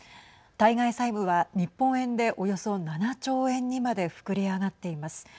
対外債務は日本円でおよそ７兆円にまで膨れ上がっています。